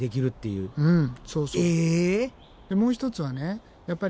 うん。